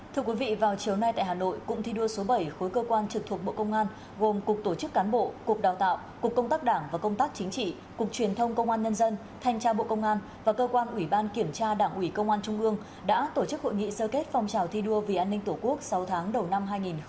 thưa quý vị vào chiều nay tại hà nội cụm thi đua số bảy khối cơ quan trực thuộc bộ công an gồm cục tổ chức cán bộ cục đào tạo cục công tác đảng và công tác chính trị cục truyền thông công an nhân dân thanh tra bộ công an và cơ quan ủy ban kiểm tra đảng ủy công an trung ương đã tổ chức hội nghị sơ kết phong trào thi đua vì an ninh tổ quốc sáu tháng đầu năm hai nghìn hai mươi ba